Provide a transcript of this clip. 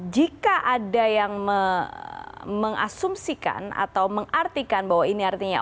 jika ada yang mengasumsikan atau mengartikan bahwa ini artinya